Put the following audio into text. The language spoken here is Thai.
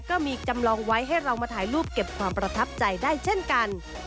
ก็มีจำลองไว้ให้เรามาถ่ายรูปเก็บความประทับใจได้เช่นกัน